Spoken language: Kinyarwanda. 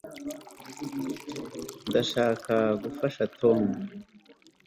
ndashaka gufasha tom